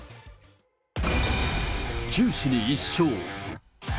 九死に一生！